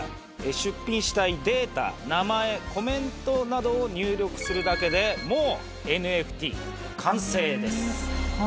出品したいデータ名前コメントなどを入力するだけでもう。